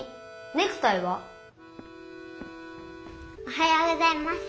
おはようございます。